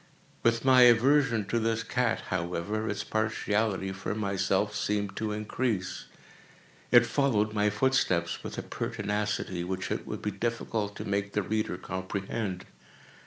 With my aversion to this cat, however, its partiality for myself seemed to increase. It followed my footsteps with a pertinacity which it would be difficult to make the reader comprehend.